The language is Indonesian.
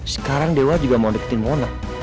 sekarang dewa juga mau deketin wonok